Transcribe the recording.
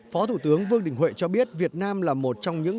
phó thủ tướng vương đình huệ cho biết việt nam là một trong những